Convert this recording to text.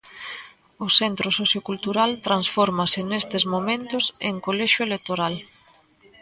O centro sociocultural transfórmase nestes momentos en colexio electoral.